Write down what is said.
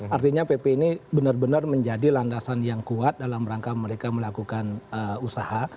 artinya pp ini benar benar menjadi landasan yang kuat dalam rangka mereka melakukan usaha